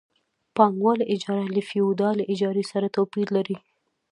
پانګوالي اجاره له فیوډالي اجارې سره توپیر لري